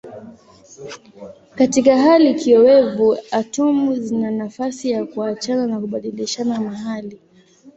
Katika hali kiowevu atomu zina nafasi ya kuachana na kubadilishana mahali.